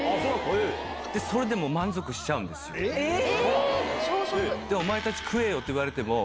それでもう、満足しちゃうんですえー！